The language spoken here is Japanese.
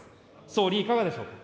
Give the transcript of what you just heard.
総理、いかがでしょうか。